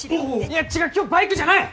いや今日バイクじゃない！